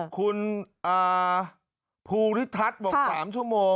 คุณภูริทัศน์บอก๓ชั่วโมง